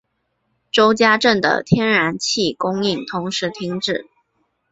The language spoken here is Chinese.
周家镇的天然气供应同时停止。